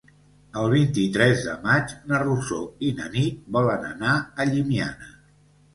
El vint-i-tres de maig na Rosó i na Nit volen anar a Llimiana.